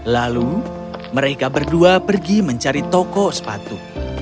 lalu mereka berdua pergi mencari toko sepatu